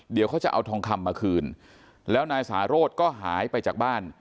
เดี๋ยวเขาจะเอาทองคำมาคืนแล้วนายสาโรธก็หายไปจากบ้าน